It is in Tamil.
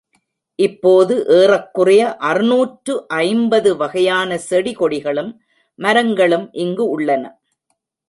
இப்போது ஏறக்குறைய அறுநூற்று ஐம்பது வகையான செடி கொடிகளும், மரங்களும் இங்கு உள்ளன.